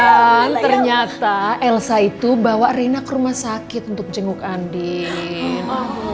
dan ternyata elsa itu bawa rena ke rumah sakit untuk jenguk andin